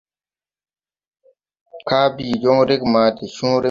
Kaa ɓi joŋ reege ma de cõõre me jāg so barɓi.